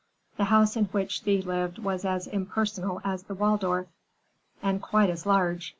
The house in which Thea lived was as impersonal as the Waldorf, and quite as large.